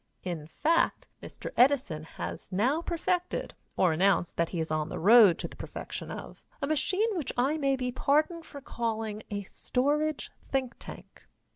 In fact, Mr. Edison has now perfected, or announced that he is on the road to the perfection of, a machine which I may be pardoned for calling a storage think tank.